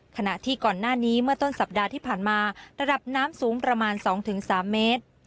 ขณะที่ก่อนหน้านี้เมื่อต้นสัปดาห์ที่ผ่านมาระดับน้ำสูงประมาณ๒๓เมตร